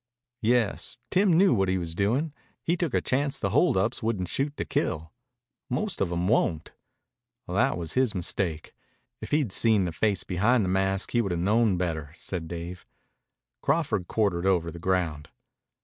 "Yes. Tim knew what he was doing. He took a chance the hold ups wouldn't shoot to kill. Most of 'em won't. That was his mistake. If he'd seen the face behind that mask he would have known better," said Dave. Crawford quartered over the ground.